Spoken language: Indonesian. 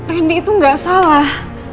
randy itu gak salah